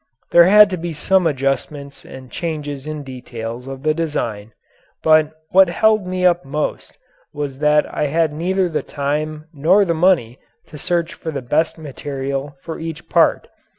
There had to be some adjustments and changes in details of the design, but what held me up most was that I had neither the time nor the money to search for the best material for each part.